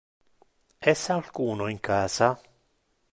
Es alcuno in casa?